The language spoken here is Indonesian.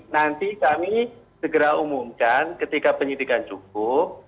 nanti kami segera umumkan ketika penyidikan cukup